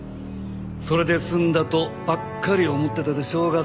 それで済んだとばっかり思ってたでしょうが